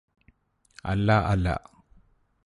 അല്ല അല്ല